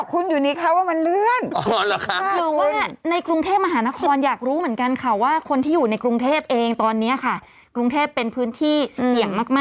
ครูแอดูธิก็ถามว่าเท่าที่ทราบยังไม่มีการเลื่อน